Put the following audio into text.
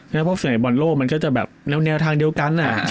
เพราะส่วนใหญ่บอลโลกมันก็จะแบบแนวทางเดียวกัน